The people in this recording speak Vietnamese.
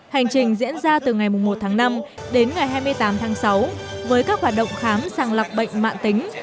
hành trình diễn ra từ ngày một tháng năm đến ngày hai mươi tám tháng sáu với các hoạt động khám sàng lọc bệnh mạng tính